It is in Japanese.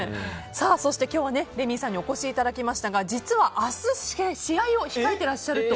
そして今日は、レミイさんにお越しいただきましたが実は明日試合を控えてらっしゃると。